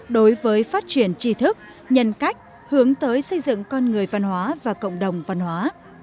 đối với phát triển trí thức nhân cách hướng tới xây dựng con người văn hóa và cộng đồng văn hóa